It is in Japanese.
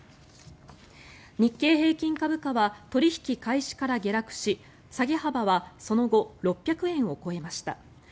日経平均株価は取引開始から下落し下げ幅はその後、６００円を超えました。